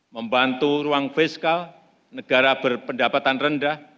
membantu ruang fiskal negara berpendapatan rendah